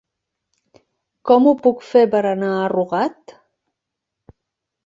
Com ho puc fer per anar a Rugat?